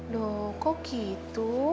duh kok gitu